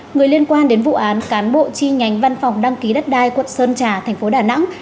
người liên quan đến vụ án cán bộ chi nhánh văn phòng đăng ký đất đai quận sơn trà thành phố đà nẵng